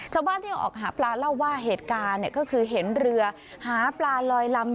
ชาวบ้านที่ออกหาปลาเล่าว่าเหตุการณ์ก็คือเห็นเรือหาปลาลอยลำ